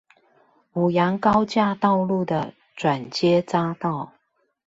五楊高架道路的轉接匝道